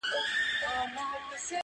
بيا د تورو سترګو و بلا ته مخامخ يمه